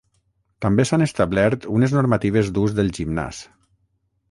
També s’han establert unes normatives d’ús del gimnàs.